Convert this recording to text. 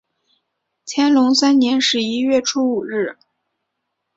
乾隆三年十一月初五日。